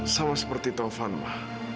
sama seperti taufan ma